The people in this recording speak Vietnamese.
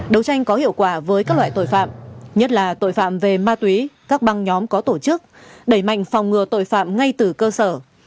đấu tranh có hiệu quả với các loại tội phạm nhất là tội phạm về ma túy các băng nhóm có tổ chức đẩy mạnh phòng ngừa tội phạm ngay từ cơ sở